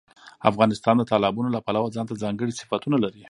افغانستان د تالابونو له پلوه ځانته ځانګړي صفتونه لري.